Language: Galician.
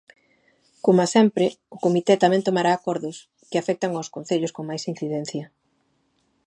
Coma sempre, o comité tamén tomará acordos que afectan aos concellos con máis incidencia.